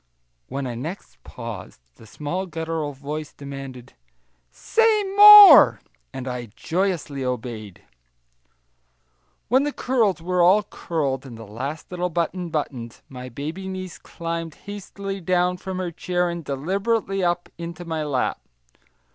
When next I paused the small guttural voice demanded, "Say more," and I joyously obeyed. When the curls were all curled and the last little button buttoned, my baby niece climbed hastily down from her chair, and deliberately up into my lap.